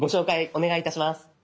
お願いいたします。